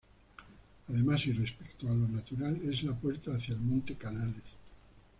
Además y respecto a lo natural, es la puerta hacia el Monte Canales.